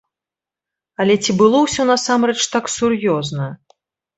Але ці было ўсё насамрэч так сур'ёзна?